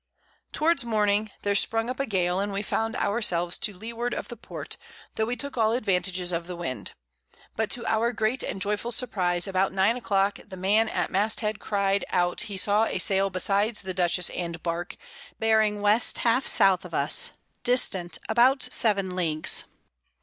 Towards Morning there sprung up a Gale, and we found our selves to Leeward of the Port, tho' we took all Advantages of the Wind: But to our great and joyful Surprize, about 9 a Clock the Man at Mast head cry'd out he saw a Sail besides the Dutchess and Bark, bearing West half South of us, distant about 7 Leagues.